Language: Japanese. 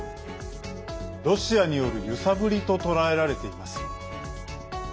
ロシアによる揺さぶりと捉えられています。